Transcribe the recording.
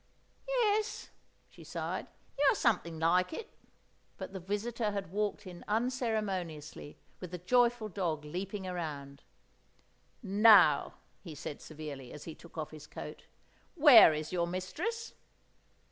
"Yes," she sighed; "you are something like it." But the visitor had walked in unceremoniously, with the joyful dog leaping around. "Now," he said severely, as he took off his coat. "Where is your mistress?"